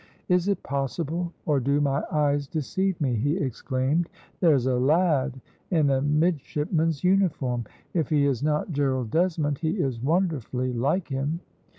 "Is it possible, or do my eyes deceive me?" he exclaimed. "There's a lad in a midshipman's uniform. If he is not Gerald Desmond, he is wonderfully like him."